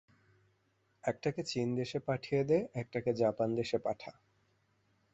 একটাকে চীন দেশে পাঠিয়ে দে, একটাকে জাপান দেশে পাঠা।